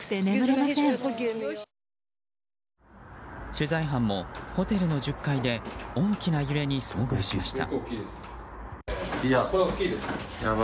取材班もホテルの１０階で大きな揺れに遭遇しました。